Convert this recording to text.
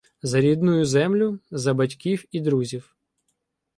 За рідную землю, за батьків і друзів